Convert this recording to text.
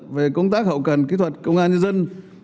về công tác hậu cần kỹ thuật công an nhân dân